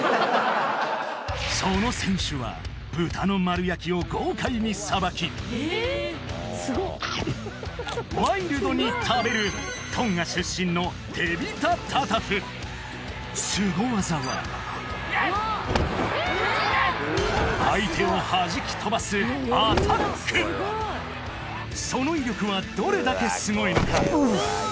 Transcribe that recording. その選手は豚の丸焼きを豪快にさばきワイルドに食べるスゴ技は相手をはじき飛ばすその威力はどれだけすごいのか？